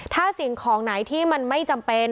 ถ้าสิ่งของไหนที่มันไม่จำเป็น